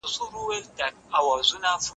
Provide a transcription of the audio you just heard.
که ميرمن کور ته داخله سي، طلاق واقع کیږي؟